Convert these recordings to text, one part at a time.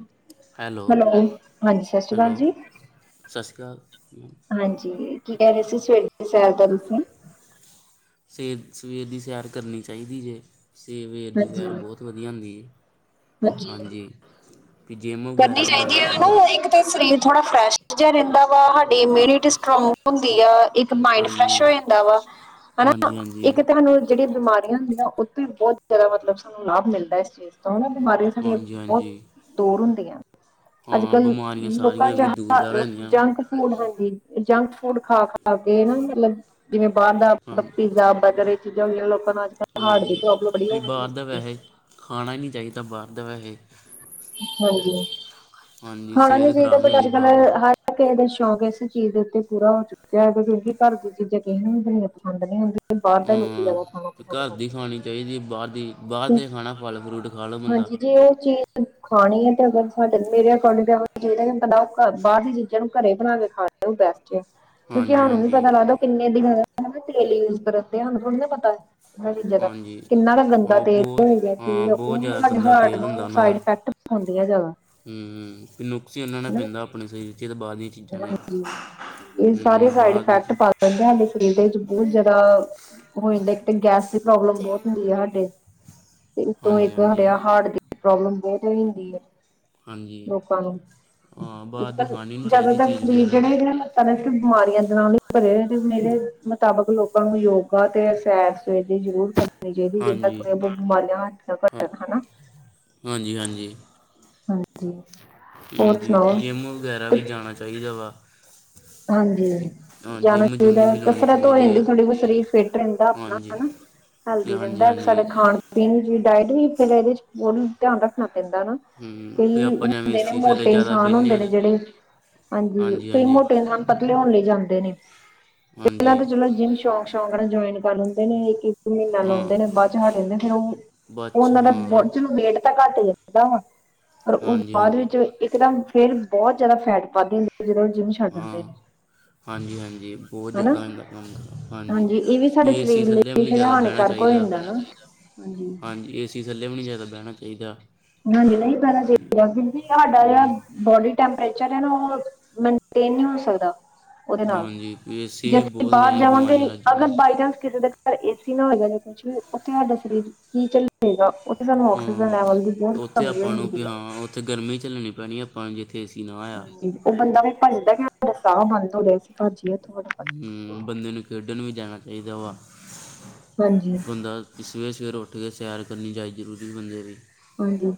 ਹ ਹੈਲੋ ਹਾਂਜੀ ਸਤਿ ਸ੍ਰੀ ਹੈਲੋ ਅਕਾਲ ਜੀ, ਸਤਿ ਸ਼੍ਰੀ ਅਕਾਲ ਹਾਂਜੀ। ਕੀ ਕਹਿ ਰਹੇ ਸੀ ਸਵੇਰੇ ਸੈਰ ਦਾ ਤੁਸੀਂ? ਸਵੇਰ- ਸਵੇਰ ਦੀ ਸੈਰ ਕਰਨੀ ਚਾਹੀਦੀ ਜੇ ਸਵੇਰ ਦੀ ਹਾਂਜੀ ਸੈਰ ਬਹੁਤ ਬ ਵਧੀਆ ਹੁੰਦੀ ਐ, ਹਾਂਜੀ ਤੇ ਜਿੰਮ ਕਰਨੀ ਵਗੈਰਾ ਵੀ ਜਾਣਾ ਚਾਹੀਦੀ ਹੈ ਚਾਹੀਦਾ। ਨਾ ਇੱਕ ਤਾਂ ਸਰੀਰ ਥੋੜਾ ਫਰੈਸ਼ ਜਿਹਾ ਰਹਿੰਦਾ ਵਾ ਸਾਡੀ ਇਮਿਊਨਿਟੀ ਸਟਰੋਂਗ ਹੁੰਦੀ ਆ। ਇੱਕ ਮਾਇੰਡ ਫਰੈਸ਼ ਹਾਂਜੀ ਹੋ ਜਾਂਦਾ ਵਾ ਹਨਾ, ਹਾਂਜੀ ਹਾਂਜੀ ਇੱਕ ਹਾਂਜੀ ਤੁਹਾਨੂੰ ਜਿਹੜੀ ਬਿਮਾਰੀ ਬ ਹੁੰਦੀਆਂ ਉੱਥੇ ਬਹੁਤ ਜ਼ਿਆਦਾ ਮਤਲਬ ਸਾਨੂੰ ਲਾਭ ਮਿਲਦਾ ਇਸ ਚੀਜ਼ ਤੋਂ ਹਨ ਬਿਮਾਰੀਆਂ ਸਾਡੀਆਂ ਬਹੁਤ, ਹਾਂਜੀ ਦੂਰ ਹੁੰਦੀਆਂ, ਅੱਜ ਹਾਂ ਕੱਲ ਬਿਮਾਰੀਆਂ ਲੋਕਾਂ ਸਾਰੀਆਂ ਚ ਵੀ ਦੂਰ ਦਾਰ ਰਹਿੰਦੀਆਂ ਜਂਕ ਫੂਡ ਹਾਂਜੀ ਜੰਕ ਫੂਡ ਖਾ- ਖਾ ਕੇ ਨਾ ਮਤਲਬ, ਜਿਵੇਂ ਬਾਰ ਦਾ ਹਾਂ ਪੀਜ਼ਾ ਜਾਂ ਬਰਗਰ, ਚੀਜ਼ਾਂ ਹੁੰਦੀਆਂ ਲੋਕਾਂ ਨੂੰ ਅਜ ਕੱਲ ਹਾਰਟ ਦੀ ਹਾਂਜੀ ਪ੍ਰੋਬਲਮ ਵੀ ਬੜੀਆਂ ਹੈਦੀ ਬਾਹਰ ਦਾ ਐ ਵੈਸੇ ਖਾਣਾ ਹੀ ਨਹੀਂ ਚਾਹੀਦਾ ਬਾਹਰ ਦਾ ਵੈਸੇ, ਹਾਂਜੀ ਹਾਂਜੀ ਖਾਣਾ ਨੀ ਸਿਹਤ ਚਾਹੀਦਾ ਖਰਾਬ ਬਟ ਹੁੰਦੀ ਅੱਜ ਕੱਲ ਬਾਹਰ ਦੀ ਹ- ਕਿਸੇ ਦਾ ਸ਼ੌਕ ਇਸ ਚੀਜ਼ ਦੇ ਉੱਤੇ ਪੂਰਾ ਹੋ ਚੁੱਕ- ਕ ਕਿਉਂਕਿ ਘਰ ਦੀਆਂ ਚੀਜ਼ਾਂ ਕਿਸੇ ਨੂੰ ਜਨੀਆਂ ਪਸੰਦ ਨਹੀਂ ਹੁੰਦੀਆਂ ਬਾਹਰ ਦੇ ਲੋਕੀ ਹਾਂ ਜ਼ਿਆਦਾ ਖਾਣਾ ਪਸੰਦ ਘਰ ਦੀ ਖਾਣੀ ਕਰਦੇ ਚਾਹੀਦੀ ਬਾਹਰ ਦੀ ਬਾਹਰ ਦਾ ਖਾਣਾ ਫਲ ਫਰੂਟ ਖਾ ਲਓ ਬੰਦਾ। ਹੋਰ ਜੀ? ਖਾਣੀ ਤੇ ਅਗਰ ਸਾਡੇ ਮੇਰੇ ਅਕੋਡਿੰਗ ਇਹੋ ਜ ਚ ਬੰਦਾ ਬਾਹਰ ਦੀ ਚੀਜ਼ਾਂ ਨੂੰ ਘਰੇ ਬਣਾ ਕੇ ਖਾ, [unintelligible] ਕਿਉਂਕਿ ਹਾਂਜੀ ਸਾਨੂੰ ਨੀ ਹਾਂਜੀ ਪਤਾ ਲੱਗਦਾ ਕਿੰਨੇ ਦਿਨ ਹੋ ਗਏ ਤੇਲ ਯੂਜ ਕਰ ਤੇ ਸਾਨੂੰ ਥੋੜੀ ਨੀ ਪਤਾ। ਇਹਨਾਂ ਚੀਜ਼ਾਂ ਦਾ ਹਾਂਜੀ ਕਿੰਨਾ ਦਾ ਗੰਦਾ ਉਹ ਤੇਲ ਬਹੁਤ ਹਾਂ ਹੈਗਾ ਉਹ ਬਹੁਤ ਜ਼ਿਆਦਾ ਸਾਡੇ ਗੰਦਾ ਹਾਰਟ ਨੂੰ ਸਾਈਡ ਇਫੈਕਟ ਹੁੰਦੀਆਂ ਜਿਆਦਾ। ਹੂੰ -ਹੂੰ ਨੁਕਸ ਹੀ ਉਹਨਾ ਨੇ ਪੈਂਦਾ ਆਪਣੇ ਸਰੀਰ ਚ ਤੇ ਬਾਅਦ ਇਚ। ਹਾਂ ਇਹ ਸਾਰੇ ਸਾਈਡ ਬਾਹਰ ਦੀ ਇਫੈਕਟ ਚੀ ਪਾ ਲਦੇ ਸਾਡੇ ਸਰੀਰ ਦੇ ਵਿੱਚ ਬਹੁਤ ਜਿਆਦਾ। ਹੋ ਜਾਂਦਾ ਇੱਕ ਤਾਂ ਗੈਸ ਦੀ ਪ੍ਰੋਬਲਮ ਬਹੁਤ ਹੁੰਦੀ ਹੈ ਸਾਡੇ। ਤੇ ਇਸੋਂ ਹਾਂਜੀ ਇੱਕ ਹਾਂਜੀ ਹ ਹਾਰਟ ਦੀ ਪ੍ਰੋਬਲਮ ਬਹੁਤ ਜਲਦੀ ਹੁੰਦੀ ਆ। ਹਾਂਜੀ ਲੋਕਾਂ ਨੂੰ ਹਾਂ ਬਾਹਰ ਦੀ ਅੱਜਕੱਲ ਖਾਣੀ ਨਹੀਂ ਚਾਹੀਦੀ ਜਿਆਦਾਤਰ ਚੀਜ਼ ਫਰੀਰ ਵਗੈਰਾ ਜਿਹੜੇ ਐ। ਲੱਤਾ ਨੇ ਸਫ ਬਿਮਾਰੀਆਂ ਦੇ ਨਾਲ ਹੀ ਭਰੇ ਤੇ ਮੇਰੇ ਮੁਤਾਬਕ ਲੋਕਾਂ ਨੂੰ ਯੋਗ, ਤੇ ਸੈਰ-ਸੂਰ ਵੀ ਜ਼ਰੂਰ ਕਰਨੀ ਚਾਹੀਦੀ ਜਿੰਨਾ ਹਾਂਜੀ ਥੋੜੀਆਂਹੁ ਬਿਮਾਰੀਆਂੱ ਘੱਟ ਜਾਨ, ਹਨਾ। ਜੀ ਹਾਂਜੀ ਜੀ ਹਾਂਜੀ ਜਿੰਮ ਵਗੈਰਾ ਵੀ ਜਾਣਾ ਚਾਈਦਾ ਵਾ। ਹਾਂਜੀ ਹਾਂ ਜਾਣਾ ਜਿੰਮ ਜੁੰਮ ਚਾਈਦਾ, ਵੀ ਲਾਉਣੀ ਕਸਰਤ ਹੋ ਚਾਹੀਦੀ ਜਾਂਦੀ ਆ ਥੋੜ੍ਹੀ ਬੋਤ ਸਰੀਰ ਫਿਟ ਰੈਂਦਾ ਆਪਣਾ ਹਾਂਜੀ ਹਨਾ। ਜੀ ਹੈਲਦੀ ਹਾਂਜੀ ਰੈਂਦਾ ਹਾਂਜੀ ਸਾਡੇ ਖਾਣ ਪੀਣ ਦੀ ਡਾਇਟ ਵੀ ਫੇਰ ਏਦੇ 'ਚ ਕੁਲ ਧਿਆਨ ਰੱਖਣਾ ਪੈਂਦਾ ਨਾ। ਹੂੰ ਵੀ ਕਈ ਆਪਾਂ ਜਿਵੇਂ ਏ ਹੁੰਦੇ ਨੇ ਸੀ ਥੱਲੇ ਮੋਟੇ ਜ਼ਿਆਦਾ ਇਨਸਾਨ ਹੁੰਦੇ ਬਹਿੰਦੇ ਹਾਂ ਨੇ ਜੜੇ ਹਾਂਜੀ, ਕਈ ਮੋਟੇ- ਇਨਸਾਨ ਪਤਲੇ ਹੋਣ ਲਈ ਜਾਂਦੇ ਨੇ। ਇਤਨਾ ਹਾਂਜੀ ਕਾ- ਮਤਲਬ ਜਿੰਮ ਸ਼ੌਂਕ ਸ਼ੌਂਕ ਨਾਲ ਜੁਇਨ ਕਰ ਲੈਂਦੇ ਨੇ। ਏ ਕੀ - ਮੀਨਾ ਹਾਂ ਲਾਉਂਦੇ ਨੇ ਬਾਦ 'ਚ ਹਟ ਜਾਂਦੇ ਨੇ। ਫਿਰ ਓ ਬਸ ਓਨਾਂ ਦਾ ਹਾਂ ਬੋਤ ਚਲੋ ਵੇਟ- ਤਾਂ ਘੱਟ ਜਾਂਦਾ ਵਾ, ਪਰ ਓ ਹਾਂਜੀ ਬਾਦ ਹਾਂਜੀ ਵਿੱਚ ਇੱਕਦਮ- ਫੇਰ ਬੋਤ ਜਾਦਾ ਫੈਟ ਵਧ ਜਾਂਦੀ, ਜਦੋਂ ਓ ਜਿੰਮ ਛੱਡ ਹਾਂ ਦਿੰਦੇ ਨੇ। ਹਾਂਜੀ ਹਾਂਜੀ ਬੋ ਹਨਾ ਜਾਦਾ ਓ ਜਾਂਦਾ ਕੰਮ, ਹਾਂਜੀ। ਇਹ ਸਾਡੇ ਵੀ ਏ ਸੀ ਸਰੀਰ ਥੱਲੇ ਵੀ ਲਈ ਨੀ ਹੈਗਾ ਜਾਦਾ ਬੈਣਾ ਹਾਨੀਕਾਰਕ ਚਾਈਦਾ। [unintelligible] ਹਾਂਜੀ ਏ ਸੀ ਥੱਲੇ ਵੀ ਨੀ ਜਾਦਾ ਬੈਣਾ ਚਾਈਦਾ। ਹਾਂਜੀ ਨਈ ਬੈਣਾ ਚਾਈਦਾ, ਕਿਉਂਕਿ ਸਾਡਾ ਹੂੰ ਜੜਾ- ਬੋਡੀ ਟੈਂਪਰੇਚਰ ਏ ਨਾ ਓ ਮੇਨਟੇਨ ਨੀ ਓ ਸਕਦਾ। ਓਦੇ ਨਾਲ ਹਾਂਜੀ ਵੀ ਏ ਸੀ ਜੇ ਵੀ ਅਸੀਂ ਬਹੁਤ ਬਾਰ ਜ਼ਿਆਦਾ ਜਾਵਾਂਗੇ, ਬਿਮਾਰੀਆਂ ਲੱਗ ਅਗਰ ਜਾਂਦੀਆਂ ਬਾਈ ਚਾਂਸ ਕਿਸੇ ਦੇ- ਪਰ ਏ ਸੀ ਨਾ ਹੋਏਗਾ ਜਾਂ ਕੁਛ ਵੀ ਓਥੇ ਹਾਡਾ ਸਰੀਰ ਕੀ ਚੱਲੇਗਾ। ਓਥੇ ਸਾਨੂੰ ਆਕਸੀਜਨ ਲੈਵਲ ਦੀ- ਬਹੁਤ ਓਥੇ ਕਮੀ ਹੋ ਆਪਾਂ ਨੂੰ ਵੀ ਜਾਂਦੀ ਹੈ। ਹਾਂ ਓਥੇ ਗਰਮੀ ਝੱਲਣੀ ਪੈਣੀ ਆਪਾਂ ਨੂੰ, ਜਿੱਥੇ ਏ ਸੀ ਨਾ ਹੋਇਆ। ਓ ਬੰਦਾ ਵੀ ਭੱਜਦਾ ਕੀ ਓਥੇ ਸਾਅ ਬੰਦ ਹੋਵੇ। ਹੂੰ ਬੰਦੇ ਨੂੰ ਖੇਡਣ ਵੀ ਜਾਣਾ ਚਾਈਦਾ ਵਾ। ਹਾਂਜੀ। ਬੰਦਾ- ਸਵੇਰੇ ਸਵੇਰੇ ਉੱਠ ਕੇ ਸੈਰ ਕਰਨੀ ਚਾਈ ਜ਼ਰੂਰੀ ਬੰਦੇ ਦੀ। ਹਾਂਜੀ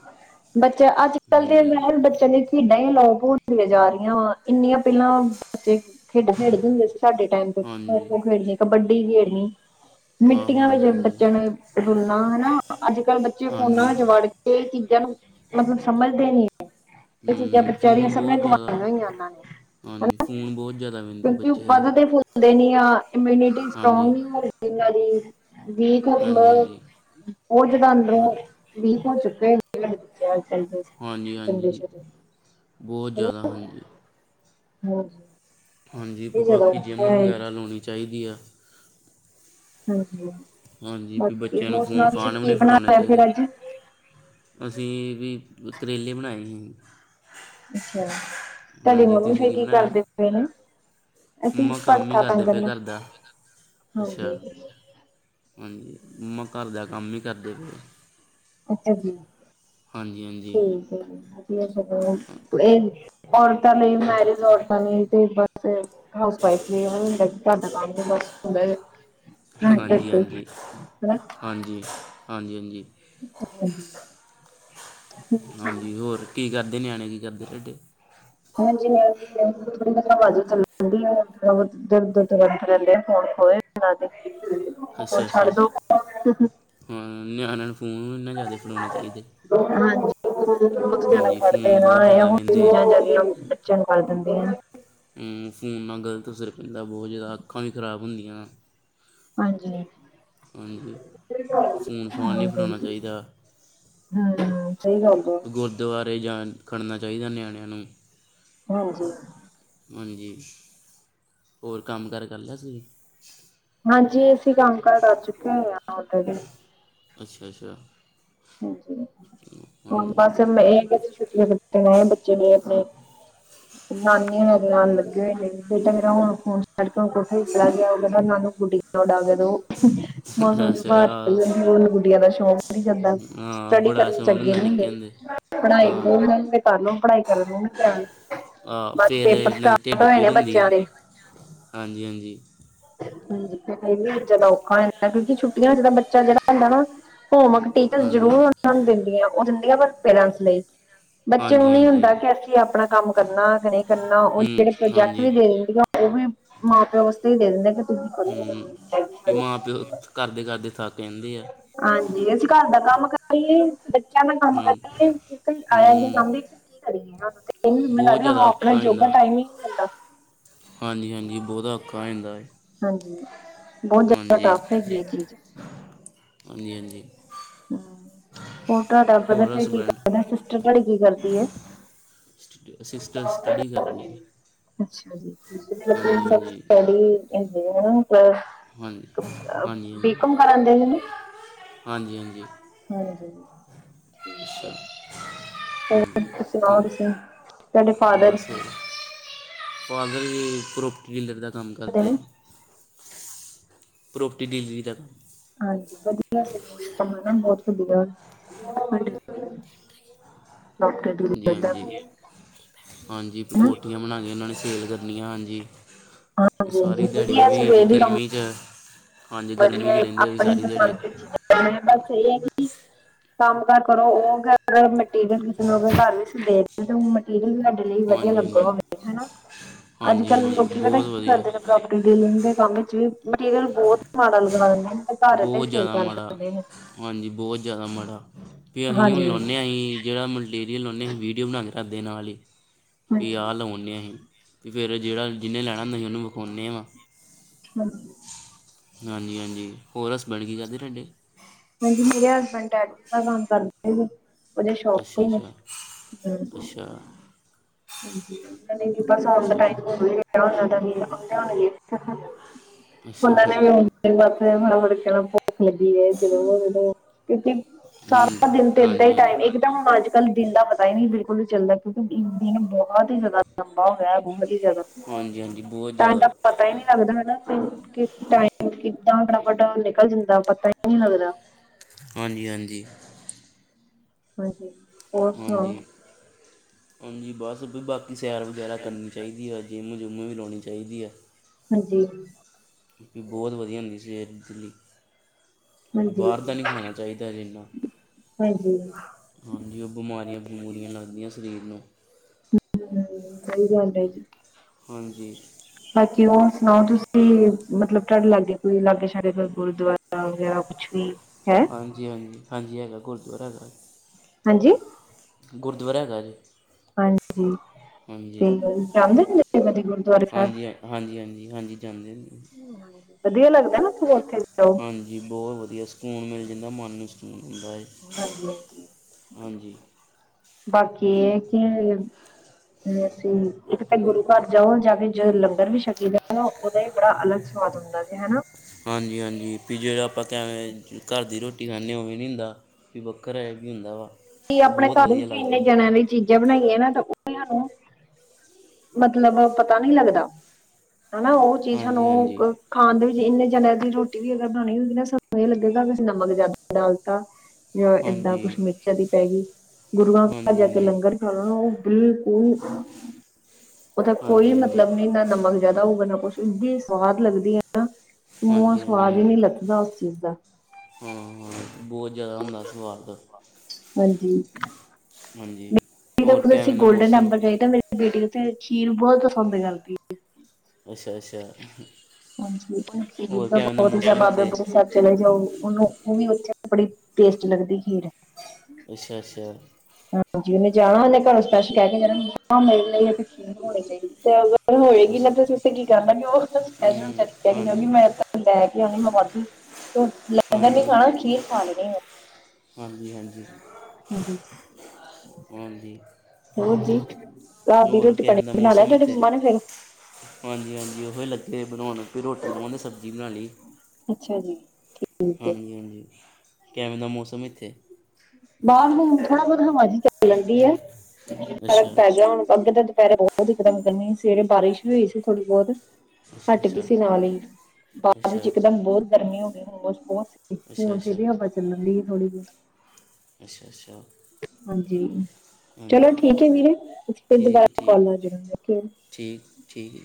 ਬੱਚਾ ਅੱਜ ਕੱਲ੍ਹ ਦੇ ਹਾਂਜੀ ਮਹਿਰ ਬੱਚਿਆਂ ਨੇ। ਖੇਡਾਂ ਹੀ ਅਲੋਪ ਹੋਣ ਦੀਆਂ ਜਾ ਰੀਆਂ ਵਾ, ਏਨੀਆਂ ਪੈਲਾਂ ਬੱਚੇ ਖੇਡਾਂ ਖੇਡਦੇ ਹੁੰਦੇ ਸੀ। ਸਾਡੇ ਟੈਮ ਤੇ ਖੋ ਹਾਂਜੀ ਖੋ ਖੇਡਣੀ, ਕਬੱਡੀ ਖੇਡਣੀ, ਆਹ ਮਿੱਟੀਆਂ ਹਾਂਜੀ ਵਿੱਚ ਹਾਂਜੀ ਬੱਚਿਆਂ ਨੂੰ- ਰੁਲਣਾ ਹਨਾ। ਅੱਜ ਕੱਲ੍ਹ ਬੱਚੇ ਹਾਂਜੀ ਫੋਨਾਂ ਚ ਵੜ ਕੇ ਚੀਜ਼ਾਂ ਨੂੰ ਮਤਲਬ ਸਮਝਦੇ ਨੀ। ਹੈ। ਇਹ ਚੀਜ਼ਾਂ ਹੂੰ ਬੱਚਿਆਂ ਦੀਆਂ ਫੋਨ ਸਭ ਬੋ ਨੇ ਗਵਾਈਆਂ ਜਾਦਾ ਹੋਈਆਂ ਉਹਨਾਂ ਨੇ ਹਾਂਜੀ ਫੋਨ ਬੋ ਜਾਦਾ ਵੈਂਦੇ ਬੱਚੇ। ਦੇ ਨੀ ਆ ਇਮਿਊਨਿਟੀ ਸਟਰੋਂਗ ਹਾਂਜੀ ਨੀ ਹੋ ਰਿ ਜਿਨਾਂ ਦੀ। ਵੀਕ ਉਮ ਹਾਂਜੀ ਬ ਹਾਂਜੀ ਬੋ ਜਾਦਾਂ ਹਾਂ ਅੰਦਰੋਂ ਵੀਕ ਓ ਚੁੱਕੇ। ੰ [unintelligible] ਬੋ ਜਾਦਾ ਹਾਂਜੀ। ਹਾਂ ਹਾਂਜੀ ਵੀ ਬਾਕੀ ਜਿੰਮ ਵਗੈਰਾ ਲਾਉਣੀ ਚਾਈਦੀ ਆ। ਹਾਂਜੀ ਹਾਂਜੀ ਵੀ ਬਾਕੀ ਬੱਚਿਆਂ ਨੂੰ ਹੋਰ ਫੋਨ ਸੁਣਾਓ ਤੁਸੀਂ ਫਾਨ ਵੀ ਕੀ ਨੀ ਫੜੋਣੇ ਬਣਾਇਆ ਚਾਈਦੇ। ਫਿਰ ਅੱਜ ਅਸੀਂ ਵੀ ਤਰੇਲੇ ਬਣਾਏ ਹੀ। ਅੱਛਾ ਤਾਡੀ ਮੰਮੀ ਤੁਸੀਂ ਫੇਰ ਕੀ ਬਣਾਇਆ ਕਰਦੇ ਪਏ ਨੇ। ਅਸੀਂ ਮੰਮਾ ਕੰਮ ਹੀ ਭੜਥਾ ਕਰਦੇ ਬੈਗਣ ਪਏ ਦਾ, ਘਰ ਅੱਛਾ ਹਾਂਜੀ। ਹਾਂਜੀ ਮੰਮਾ ਘਰ ਦਾ ਕੰਮ ਈ ਕਰਦੇ ਪਏ। ਅੱਛਾ ਜੀ ਹਾਂਜੀ ਹਾਂਜੀ [unintelligible] ਔਰਤਾ ਲ‌ਈ, ਮੈਰਿਜ ਔਰਤਾ ਲ‌ਈ ਤੇ ਬਸ- ਹਾਊਸ ਵਾਈਫ ਲਈ ਏ ਹੁੰਦਾ ਘਰ ਦਾ ਕੰਮ ਬਸ ਹੁੰਦਾ ਏ। ਹਾਂਜੀ ਹਾਂਜੀ -ਹਾਂਜੀ- ਹਾਂਜੀ ਹਾਂਜੀ। ਾਂ [unintelligible] ਹਾਂਜੀ। ਹੋਰ ਕੀ ਕਰਦੇ ਨਿਆਣੇ ਕੀ ਕਰਦੇ ਤਹਾਡੇ। ਹਜੀ। ਥੋੜੀ ਆਵਾਜ਼ੀ ਚੱਲ ਜਾਂਦੀ ਥੋੜਾ -ਬਹੁ ਦ -ਦ -ਦ ਰਹਿੰਦੇ ਹਣ ਹੋਏ। ਹਾਂ ਤੋ ਠੀਕ ਚੱਲੀ। ਅੱਛਾ -ਅੱਛਾ, ਹਾਂ ਨਿਆਣਾਂ ਨੂੰ। ਫੋਨ ਇਨਾ ਜਾਿਆਦਾ ਨਹੀ ਫੜੋਣੇ ਚਾਹੀਦੇ। ਹਾਂਜੀ ਬਹੁਤ ਜ਼ਿਆਦਾ ਹਾਂਜੀ ਪੜ੍ਹਦੇ ਫੋਨ ਨਾ ਬਹੁਤ ਜ਼ਿਆਦਾ ਇਹ ਵਹਿੰਦੇ ਚੀਜ਼ਾਂ ਜੜੀਆਂ ਬੱਚਿਆਂ ਨੂੰ ਕਰ੍ਹ ਦਿੰਦੀਆਂ। ਫੋਨ ਨਾਲ ਗ਼ਲਤ ਹੋ ਸਿਰ ਪੈਂਦਾ ਬਹੁਤ ਜ਼ਿਆਦਾ ਅੱਖਾਂ ਵੀ ਖਰਾਬ ਹੁੰਦੀਆਂ। ਹਾਂਜੀ। ਹਾਂਜੀ। ਫੋਨ -ਫਾਨ ਨਹੀਂ ਫੜਾਉਣਾ ਚਾਹੀਦਾ। ਹੂ-ਸਹੀ ਗੱਲ। ਗੁਰਦੁਆਰੇ ਜਾਣ ਖੜਨਾ ਚਾਹੀਦਾ ਨਿਆਣਿਆਂ ਨੂੰ। ਹਾਂਜੀ। ਹਾਂਜੀ। ਹੋਰ ਕੰਮ- ਕਾਰ ਕਰ ਲੈ ਤੁਂ। ਹਾਂਜੀ। ਅਸੀ ਕੰਮ -ਕਾਰ ਕਰ ਚੁੱਕੇ ਹੋ ਉਧਰ ਦੇ। ਅੱਛਾ -ਅੱਛਾ। ਹੂ, ਹਾਂ ਹਾਂਜੀ ਬਸ ਮ ਇਹ ਸੀ ਛੁੱਟ ਬੱਚੇ ਮ ਆਪਣੇ ਨਾਨੀ ਲੱਗੇ ਹੋਏ ਨੇ। ਫਿਰ ਤਾਂ ਮੇਰਾ ਹੁਣ ਫੋਨ ਛੱਡੁ ਕੋਠੇ ਵਿਚ ਚਲਾ ਗਿਆ ਉਹ ਕਹਦਾ ਨ ਗੁੱਡੀਆਂ ਉਡਾ ਦੋ। ਮੌਸਮ ਸੁਧਾਰ ਅੱਛਾ ਚਾਹੀਦਾ, ਗੁੱਡੀਆਂ ਦਾ ਸ਼ੌਕ ਨਹੀਂ ਜਾਂਦਾ। ਹਾਂ ਸਟੱਡੀ ਬੜਾ ਕਰਨ ਸ਼ੌਂਕ ਚੱਗੇ ਹੁੰਦਾ ਨੇੁੰਗੇ। ਨਿੱਕੇ ਹੁੰਦੇ ਪੜ੍ਹਾਈ ਹਾਂ ਬੋਲ ਰਗੇ ਘ ਨੂੰ ਪੜ੍ਹਾਈ ਕਰਨ ਨੂੰ ਨਾ ਧਿਆਨ। ਆ ਬਾਅਦ ਚ ਫਿਰ ਪੇਪਰ ਇਹਨਾਂ ਦੀ ਸਟਾਰਟ ਢਿੱਡ ਹੋਏ ਪੀੜ ਨੇ ਹੁੰਦੀ। ਬੱਚਿਆਂ ਹਾਂਜੀ -ਹਾਂਜੀ। ਹੂ, ਵੀ ਜ ਔਖਾ ਹੁੰਦਾ ਕਿਉਂਕਿ ਛੁੱਟੀਆਂ ਚ' ਤਾਂ ਬੱਚਾ ਜਿਹੜਾ ਹੁੰਦਾ ਨਾ ਹੋਮਰਕ ਜ਼ਰੂਰ ਹਾਂਜੀ ਉਹ ਨੂੰ ਦਿੰਦੀਆਂ, ਉਹ ਦਿੰਦੀਆਂ ਪਰ ਪੇਰੈਂਟਸ ਲਈ। ਬੱਚਿਆਂ ਨੂੰ ਹਾਂਜੀ ਹਾਂਜੀ ਨਹੀਂ ਹਾਂਜੀ ਹੁੰਦਾ ਕਿ ਅਸੀਂ ਆਪਣਾ ਕੰਮ ਕਰਨਾ ਕਿ ਨਹੀਂ ਕਰਨਾ। ਉਹ ਹੂੰ ਜਿਹੜੇ ਪ੍ਰੋਜੈਕਟ ਹਾਂਜੀ ਵੀ ਦੇ ਦਿੰਦੀ। ਉਹ ਵੀ ਮਾਂ -ਪਿਓ ਵਾਸਤੇ ਹੀ ਦੇ ਦਿੰਦੇ ਕਿ ਤੁਸੀਂ ਹੂੰ ਵੀ ਮਾਂ ਕਦੋਂ ਕਰਦੇ- ਕਰਦੇ ਥੱਕ ਕਹਿੰਦੇ ਆ। ਹਾਂਜੀ। ਅਸੀਂ ਘਰ ਦਾ ਕੰਮ ਕਰ ਰਹੀ ਬੱਚਿਆਂ ਦਾ ਕੰਮ ਹਾਂਜੀ ਕਰੀ ਹੈ ਆਇ ਹੂੰ ਸਾਹਮਣੇ। ਨੂੰ ਮੈਨੂੰ ਬਹੁਤ ਲੱਗਦਾ ਹ ਜ਼ਿਆਦਾ ਆਪਣਾ ਔਖਾ ਹੋ ਜੋਗਾ ਜਾਂਦਾ ਟਾਈਮ ਹੀ ਨੀ ਮਿਲਦਾ। ਹਾਂਜੀ- ਹਾਂਜੀ। ਬਹੁਤਾ ਔਖਾ ਹੋ ਜਾਂਦਾ ਹੇ। ਹਾਂਜੀ। ਬਹੁਤ ਜ਼ਿਆਦਾ ਟਫ ਹੈਗੀ ਹੈ ਚੀਜ਼। ਹਾਂਜੀ -ਹਾਂਜੀ। ਮ ਹੋਰ ਤੁਹਾਡਾ ਪਤਾ ਹੋਰ ਫਿਰ ਕੀ ਹਸਬੈਂਡ ਕਰਦਾ ਸਿਸਟਰ ਤੁਹਾਡੀ ਕੀ ਕਰਦੀ ਹੈ? ਸਟ ਸਿਸਟਰ ਸਟੱਡੀ ਕਰਦੀ ਜੀ। ਅੱਛਾ ਜੀ। ਹਾਂਜੀ ਹਾਂਜੀ ਹਾਂਜੀ [unintelligible] ਬੀ ਹਾਂਜੀ ਕਮ ਕਰਨ ਦੇ ਇਹਨੂੰ। ਹਾਂਜੀ- ਹਾਂਜੀ। ਹਾਂਜੀ। ਠੀਕ ਅੱਛਾ ਹੈ। ਹੋਰ ਹਾਂਜੀ। ਸੁਣਾਓ ਤੁਸੀਂ? ਤੁਹਾਡੇ ਫਾਦਰ ਕੀ ਬਸ-ਬਸ। ਪਾਗਲ ਪ੍ਰੋਪਰਟੀ ਡੀਲਰ ਦਾ ਕੰਮ ਕਰਦੇ। ਪ੍ਰੋਪਰਟੀ ਡੀਲਰੀ ਤੱਕ। ਹਾਂਜੀ। ਵਧ ਆਮ ਬਹੁਤ ਵੱਡੀ ਗੱਲ। [inaudible] ਹਾਂਜੀ- ਹਾਂਜੀ -ਹਾਂਜੀ। ਪ ਕੋਠੀਆਂ ਬਣਾ ਕੇ ਉਹਨਾਂ ਨੇ ਸੇਲ ਕਰਨੀਆਂ ਹਾਂਜੀ। ਹਾਂਜੀ- ਹਾਂਜੀ। ਵਧਿਆ ਸਗੋਂ ਐ ਵੀ ਕੰਮ। ਕੀ ਚਾਹੀਦਾ। ਵਧੀਆ ਆਪਣੇ ਪਸੰਦ [unintelligible] ਹਾਂ ਬਸ ਇਹੀ ਹੈ ਜੀ। ਕੰਮ- ਕਾਰ ਕਰੋ, ਉਹ ਮਟੀਰੀਅਲ ਕਿਸੇ ਨਾਲ ਕੋਈ ਘਰ ਨਹੀਂ ਸੀਗੇ। ਮਟੀਰੀਅਲ ਵੀ ਤੁਡੇ ਲਈ ਵਧੀਆ ਹਾਂਜੀ ਲੱਗਗਾ ਹਾਂਜੀ ਹੋਵੇ, ਹਨਾ ਅੱਜ ਹਾਂਜੀ ਕੱਲ ਹਾਂਜੀ ਲੋਕ ਪਤਾ ਬਹੁਤ ਕੀ ਵਧੀਆ ਕਰਦੇ ਪ੍ਰੋਪਰਟੀ ਡੀਲਿੰਗ ਦੇ ਕੰਮ ਵਿਚ ਵੀ ਮਟੀਰੀਅਲ ਬਹੁਤ ਮਾਡੲ ਲਗਾਉਂਦੇ ਨੇ। ਭਾਰਤ ਦੇ ਬਹੁਤ ਸਿਰ ਜ਼ਿਆਦਾ ਕਰ ਮਾੜਾ ਸਕਦੇ ਨੇ। ਹਾਂਜੀ, ਬਹੁਤ ਜ਼ਿਆਦਾ ਮਾੜਾ ਫ ਅਸੀਂ ਹਾਂਜੀ ਹੁਣ ਲਾਉਂਦੇ ਹਾ ਅਸੀਂ ਜਿਹੜਾ ਮਟੀਰੀਅਲ ਲਉਂਦੇਂ, ਆਸੀ ਵੀਡੀਓ ਬਣਾਉਂਦੇ, ਰਖਦੇ ਨਾਲ ਹੀ ਵੀ ਹਾਂਜੀ ਆਹ ਲਵਾਉਂਦੇ ਹ ਅਸੀਂ। ਤੇ ਫੇਰ ਜਿਹੜਾ ਜਿਹਨੇ ਲੈਣਾ, ਅਸੀਂ ਉਹਨੂੰ ਵਿਖਾਉਂਦੇ ਵਾਂ- ਹਾਂਜੀ। ਹਾਂਜੀ -ਹਾਂਜੀ ਹੋਰ ਹੱਸ ਬੈਣ ਕੀ ਕਰਦੇ ਤੁਹਾਡੇ? ਹਾਂਜੀ, ਮੇਰੇ ਹਸਬੈਂਡ ਡੈਡੀ ਨਾਲ ਕੰਮ ਕਰਦੇ ਨੇ। ਉਹਦੇ ਸ਼ੋਪ ਅੱਛਾ ਤੇ ਨੇ ਅੱਛਾ ਹੂੰ-ਹੂੰ। ਅੱਛਾ ਅੱਛਾ ਹੲਂਜੀ ਅੱਛਾ ਅੱਛਾ [unintelligible] [unintelligible] ਸਾਰਾ ਹਾਂਜੀ ਦਿਨ ਤੇ ਇਏਦਾਂ ਹਾਂਜੀ ਹੀ ਹਾਂਜੀ ਟਾਈਮ ਇੱਕਦਮ ਹੁਣ, ਅੱਜ ਕੱਲ ਦਿਨ ਦਾ ਪਤਾ ਹੀ ਨ ਨਹੀਂ ਬਿਲਕੁਲ ਹੀ ਨੀ ਚੱਲਦਾ ਕਿਉਂਕਿ ਦਿਨ ਬਹੁਤ ਹੀ ਜ਼ਿਆਦਾ ਲੰਬਾ ਹੋਇਆ, ਬਹੁਤ ਹੀ ਜ਼ਿਆਦਾ। ਹਾਂਜੀ -ਹਾਂਜੀ ਬਹੁਤ ਟਾਈਮ ਦਾ ਜ਼ਿਆਦਾ। ਪਤਾ ਹੀ ਨਹੀਂ ਲੱਗਦਾ, ਹਨਾ ਹੂੰ। ਕੀ ਟਾਈਮ ਕਿੱਦਾਂ ਫਟਾਫੱਟ ਨਿਕਲ ਜਾਂਦਾ, ਪਤਾ ਹੀ ਨਹੀਂ ਲੱਗਦਾ। ਹਾਂਜੀ -ਹਾਂਜੀ। ਹਾਂਜੀ। ਹੋਰ ਸੁਣਾਓ ਹਾਂਜੀ-ਹਾਂਜੀ ਬਸ ਵੀ ਬਾਕੀ ਸੈਰ ਵਗੈਰਾ ਕਰਨੀ ਚਾਹੀਦੀ ਆ। ਜਿੰਮ- ਨੁੰਮ ਵੀ ਲੋਉਣੀ ਚਾਹੀਦੀ ਹੈ। ਹਾਂਜੀ। ਕਿਉਂਕਿ ਬਹੁਤ ਵਧੀਆ ਹੁੰਦੀ ਸੀਹਤ ਦਿੱ ਲੀ। ਵੀ ਹਾਂਜੀ ਬਾਹਰ ਦਾ ਨਹੀਂ ਖਾਣਾ ਚਾਹੀਦਾ ਇੰਨਾ। ਹਾਂਜੀ ਹਾਂਜੀ, ਉਹ ਬਿਮਾਰੀਆਂ- ਬੂਮਾਰੀਆਂ ਲੱਗਦੀਆਂ ਸਰੀਰ ਨੂੰ। ਹੂੰ ਸਹੀ ਗੱਲ ਹੈਗੀ। ਹਾਂਜੀ। ਆਪਣਾ ਸੁਣਾਓ ਤੁਸੀਂ, ਮਤਲਬ ਤੁਹਾਡੇ ਲਾਗੇ ਕੋਈ ਲਾਗੇ ਸਾਡੇ ਕੋਈ ਗੁਰਦੁਆਰਾ ਹੋ ਗਿਆ। ਕੁੱਛ ਵੀ ਹੈ ਹਾਂਜੀ- ਹਾਂਜੀ, ਹਾਂਜੀ ਹੈਗਾ ਗੁਰਦੁਆਰਾ ਹੈਗਾ। ਹਾਂਜੀ? ਗੁਰਦੁਆਰਾ ਹੈਗਾ ਜੇ। ਹਾਂਜੀ। ਜਾਣਦੇ ਹੋ ਤੁਸੀਂ ਕਦੀ ਗੁਰਦੁਆਰੇ ਸਾਹਿਬ? ਹਾਂਜੀ ਹਾਂਜੀ ਹਾਂਜੀ ਹਾਂਜੀ ਜਾਂਦੇ ਨੇ ਵਧੀਆ ਲੱਗਦਾ ਨਾ ਸੋਂ ਉੱਥੇ ਜਾਓ। ਹਾਂਜੀ ਬਹੁਤ ਵਧੀਆ, ਸਕੂਨ ਮਿਲ ਜਾਂਦਾ, ਮਨ ਨੂੰ ਸਕੂਨ ਹੁੰਦਾ ਹੈ। ਹਾਂਜੀ- ਹਾਂਜੀ ਹਾਂਜੀ ਬਾਕੀ ਇਹ ਕਿ ਮਤਲਬ, ਅਸੀਂ ਇੱਕ ਤਾਂ ਗੁਰੂ ਘਰ ਜਾਓ, ਜਾ ਕੇ ਜਦੋਂ ਲੰਗਰ ਵੀ ਛਕੀ ਦਾ ਉਹਦੇ ਬੜਾ ਅਲੱਗ ਸਵਾਦ ਹੁੰਦਾ ਦੇ, ਹਨਾ। ਹਾਂਜੀ -ਹਾਂਜੀ ਵੀ ਜਿਹੜਾ ਆਪਾਂ ਕਿਵੇਂ ਘਰ ਦੀ ਰੋਟੀ ਖਾਂਦੇ, ਉਵੇ ਨਹੀਂ ਹੁੰਦਾ। ਵੀ ਬੱਕਰਾ ਇਹ ਵੀ ਹੁੰਦਾ ਵਾ। ਕੀ ਆਪਣੇ ਬਹੁਤ ਘਰ ਵਧੀਆ ਵਿੱਚ ਲੱਗਦਾ ਇੰਨੇ ਜਣਿਆਂ ਲਈ ਚੀਜ਼ਾਂ ਬਣਾਈਆਂ ਨਾ, ਤਾਂ ਉਹ ਨੂੰ ਮੱਤਲਬ ਪਤਾਂ ਨੀਂ ਲੱਗਦਾ, ਹਨਾ ਉਹ ਚੀਜ਼ ਹਾਂਜੀ ਹਾਨੂੰ। ਹਾਂਜੀ ਖਾਣ ਦੇ ਵਿੱਚ ਇੰਨੇਂ ਜਾਣਿਆ ਦੀ ਰੋਟੀ ਵੀ ਅਗਰ ਬਣਾਉਣੀ ਹੋਉਗੀ, ਸਾਂਨੂੰ ਇਹ ਲੱਗੂਗਾ ਵੀ ਅਸੀਂ ਨਮਕ ਜ਼ਿਆਦਾ ਡਾਲਤਾ। ਜਾਂ ਏਦਾਂ ਹਾਂਜੀ ਕੁੱਛ ਮਿਰਚਾ ਦੀ ਪੈਗੀ, ਗੁਰੂਆਂ ਘਰ ਹਾਂਜੀ ਜਾ ਕੇ ਹਾਂਜੀ ਲੰਗਰ। ਹਾਂ ਉਹ ਬਿਲਕੁਲ, ਉਹਦਾ ਕੋਈ ਹਾਂਜੀ ਹਾਂਜੀ ਮਤਲਬ ਨੀ ਨਾ ਨਮਕ। ਜ਼ਿਆਦਾ ਹੋਊਗਾ ਨਾ ਕੁੱਛ ਏਡੀ ਸਵਾਦ ਲੱਗਦੀ ਹੈ ਨਾ, ਕਿ ਮੂੰਹੋਂ ਹਾਂਜੀ ਹਾਂਜੀ ਸਵਾਦ ਹੀ ਨੀ ਹਾਂਜੀ ਲੱਥਦਾ ਉਸ ਚੀਜ਼ ਦਾ। ਹਾਂ ਹਾਂ ਬਹੁਤ ਜ਼ਿਆਦਾ ਹੁੰਦਾਂ ਸਵਾਦ। ਹਾਂਜੀ। ਹਾਂਜੀ। ਜੇ ਹੋਰ ਦੇਖੋਂ ਅਸੀ ਕਿਵੇਂ ਦਾ ਗੋਲਡਨ ਮੌਸਮ ਟੈਂਪਲ ਜਾਈਦਾ, ਮੇਰੀ ਬੇਟੀ ਓਥੇ ਖੀਰ ਨੂੰ ਬਹੁਤ ਪਸੰਦ ਕਰਦੀਂ‌। ਅੱਛਾ ਅੱਛਾ ਹਾਂਜੀ ਹੋਰ ਕਿਵੇਂ ਦਾ ਬਹੁਤ ਗਿਆ ਮੌਸਮ ਬਾਂਬਾ ਇੱਥੇ [unintelligible] ਸਾਹਿਬ। ਚਲੇ ਜਾਓ ਉਹਨੂੰ ਉਹ ਵੀ ਉੱਥੇ ਬੜੀ ਟੇਸਟ ਲੱਗਦੀ ਖੀਰ। ਅੱਛਾ- ਅੱਛਾ। ਹਾਂਜੀ ਉਹਨੇਂ ਜਾਣਾਂ ਉਹਨੇਂ ਘਰੋਂ ਸਪੈਸ਼ਲ ਕਹਿ ਕੇ ਜਾਣਾਂ ਮੰਮਾ ਮੇਰੇ ਲਈ ਉੱਥੇ ਖੀਰ ਹੋਣੀਂ ਚਾਹੀਦੀ। ਹੋਏਗੀ ਅੱਛਾ ਨਾ ਤੁਸੀ ਉੱਥੇ ਕੀ ਕਰਨਾ ਕਿ ਉਹ ਸਪੈਸ਼ਲ ਹੂੰ, ਚੱਲ ਕੇ ਆਏਂਗੀ ਕਹੂੰਗੀ ਹਾਂਜੀ ਮੈਂ ਉੱਥੇ। ਲੈ ਕੇ ਆਉਂਣੀ ਮੈਂ ਵੱਧ, ਲੰਗਰ ਨੀ ਹਾਂਜੀ ਖਾਣਾਂ ਖ਼ੀਰ ਖਾਂ ਲੈਣੀ ਮੈਂ। ਹਾਂਜੀ- ਹਾਂਜੀ। ਹਾਂਜੀ। ਹਾਂਜੀ। ਹੋਰ ਜੀ, ਰਾਤ ਦੀ ਹੋਰ ਰੋਟੀ ਕਿਵੇਂ ਪਾਣੀਂ ਦਾ ਬਣਾ ਲਿਆਂ ਮੌਸਮ ਤੁਹਾਡੇ ਇੱਥੇ ਮੰਮਾ ਨੇ ਫ਼ਿਰ। ਹਾਂਜੀ- ਹਾਂਜੀ ਉਹੋ ਲੱਗੇ ਬਣਾਉਣ, ਫਿਰ ਰੋਟੀ ਲਾਉਣ ਡੇ ਸਬਜ਼ੀ ਬਣਾਲੀ। ਅੱਛਾ ਜੀ ਠੀਕ ਹੈਂ। ਹਾਂਜੀ, ਕੈਵੇ ਦਾ ਮੌਸਮ ਇੱਥੇਂ। ਬਾਹਰ ਹੁਣ ਥੋੜਾਂ ਬਹੁਤ ਹਵਾ ਜੀ ਚੱਲਣ ਡੀ ਹੈਂ, ਫਰਕ ਅੱਛਾ ਪੈ ਗਿਆਂ ਹੁਣ ਅੱਗੇ ਤਾਂ ਦੁਪਹਿਰੇ ਬਹੁਤ। ਬਹੁਤ ਇੱਕਦਮ ਗਰਮੀਂ ਸੀਂ, ਸਵੇਰੇ ਬਾਰਿਸ਼ ਵੀ ਹੋਈ ਸੀ ਥੋੜੀ ਬਹੁਤ। ਅੱਛਾ ਹੱਟ ਗੀ ਅੱਛਾ ਸੀ ਨਾਲ਼ ਹੀ ਬਾਅਦ ਵਿੱਚ ਅੱਛਾ ਇੱਕਦਮ ਬਹੁਤ ਗਰਮੀਂ ਹੋ ਗਈਂ ਹੋਮਸ ਬਹੁਤ। ਅੱਛਾ ਹੁਣ ਫ਼ੇਰ ਅੱਛਾ ਵੀ ਹਵਾ ਚੱਲਣ ਡੀ ਥੋੜ੍ਹੀ ਬਹੁਤ। ਅੱਛਾ- ਅੱਛਾ। ਹਾਂਜੀ, ਹਾਂਜੀ ਚਲੋ ਠੀਕ ਹੈਂ ਵੀਰੇ ਅਸੀਂ ਫ਼ਿਰ ਠੀਕ ਦੁਬਾਰਾ ਕਾਲ ਠੀਕ ਕਰ ਰਹੇ ਓਕੇ। ਠੀਕ- ਠੀਕ।